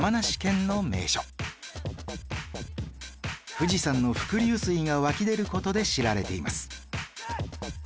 富士山の伏流水が湧き出る事で知られています